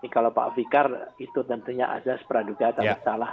kalau pak fikar itu tentunya asas peraduga atau salah